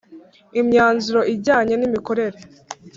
Imyanzuro ijyanye n imikorere